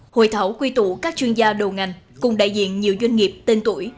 hội thảo quy tụ các chuyên gia đầu ngành cùng đại diện nhiều doanh nghiệp tên tuổi